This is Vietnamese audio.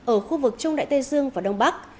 ở khu vực trung đại tây dương và đông bắc